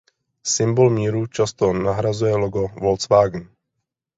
Symbol míru často nahrazuje logo Volkswagen.